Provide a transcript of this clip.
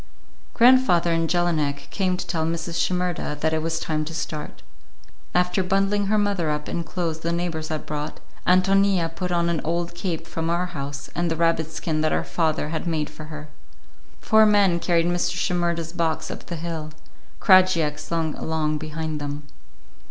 Grandfather and Jelinek came to tell Mrs. Shimerda that it was time to start. After bundling her mother up in clothes the neighbors had brought, Ántonia put on an old cape from our house and the rabbit skin hat her father had made for her. Four men carried Mr. Shimerda's box up the hill; Krajiek slunk along behind them.